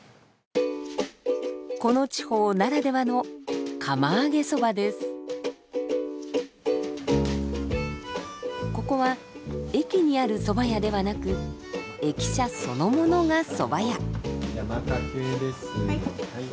この地方ならではのここは駅にあるそば屋ではなく駅舎そのものがそば屋。